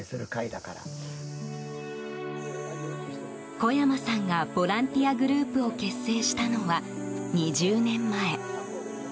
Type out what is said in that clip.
小山さんがボランティアグループを結成したのは２０年前。